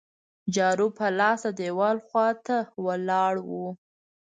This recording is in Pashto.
جارو په لاس د دیوال خوا ته ولاړ وو.